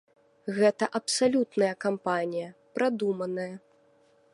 Гэта абсалютная кампанія, прадуманая.